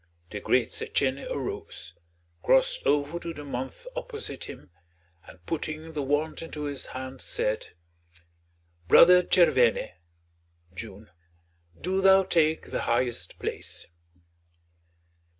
The great Setchène arose, crossed over to the month opposite him, and putting the wand into his hand, said: "Brother Tchervène (June), do thou take the highest place."